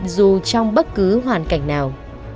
dù trong bất cứ hoàn cảnh nào